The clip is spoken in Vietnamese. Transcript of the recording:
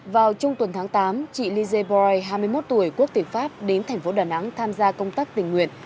vào chung tuần tháng tám chị lizzie boy hai mươi một tuổi quốc tỉnh pháp đến thành phố đà nẵng tham gia công tác tình nguyện